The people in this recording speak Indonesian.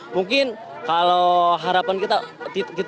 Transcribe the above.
mungkin kalau harapan kita kita gak ada ini masker buat anak anak gitu